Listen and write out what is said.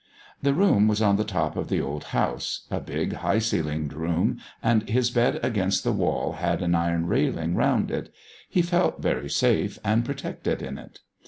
The room was on the top of the old house, a big, high ceilinged room, and his bed against the wall had an iron railing round it; he felt very safe and protected in it.